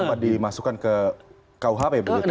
lalu kenapa dimasukkan ke kuhp begitu